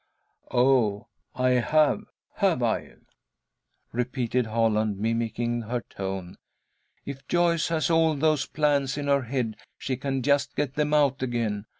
"Oh, I have, have I?" repeated Holland, mimicking her tone. "If Joyce has all those plans in her head, she can just get them out again.